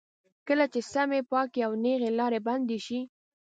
کله چې سمې، پاکې او نېغې لارې بندې شي.